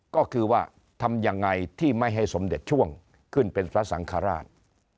ก็คือว่าทำยังไงที่ไม่ให้สมเด็จช่วงขึ้นเป็นพระสังฆราช